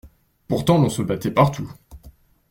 Pourtant l'on se battait partout.